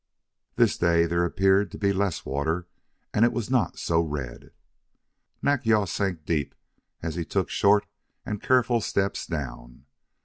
This day there appeared to be less water and it was not so red. Nack yal sank deep as he took short and careful steps down.